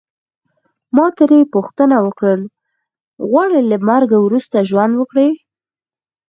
ما ترې پوښتنه وکړل غواړې له مرګه وروسته ژوند وکړې.